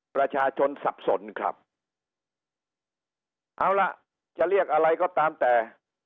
ประชาชนสับสนครับเอาล่ะจะเรียกอะไรก็ตามแต่